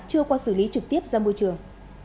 chưa qua xử lý trực tiếp ra môi trường